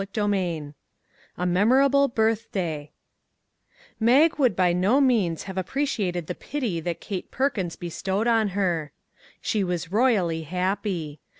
CHAPTER XX A MEMORABLE BIRTHDAY MAG would by no means have appreci ated the pity that Kate Perkins be stowed on her. She was royally happy.